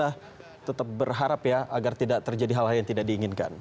kita tetap berharap ya agar tidak terjadi hal hal yang tidak diinginkan